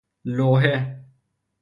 لوحه